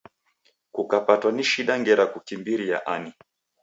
Kukapatwa ni shida ngera kukimbiria ani